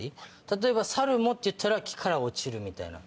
例えば「猿も」って言ったら「木から落ちる」みたいな。